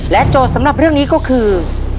โจทย์สำหรับเรื่องนี้ก็คือ